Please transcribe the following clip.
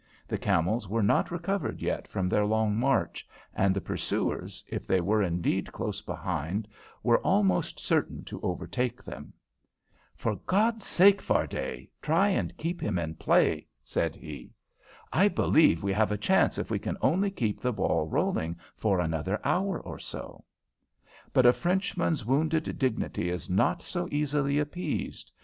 The camels were not recovered yet from their long march, and the pursuers, if they were indeed close behind, were almost certain to overtake them. "For God's sake, Fardet, try and keep him in play," said he. "I believe we have a chance if we can only keep the ball rolling for another hour or so." But a Frenchman's wounded dignity is not so easily appeased.